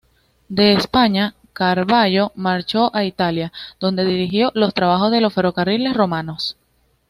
De España, Carvallo marchó a Italia, donde dirigió los trabajos de los ferrocarriles romanos.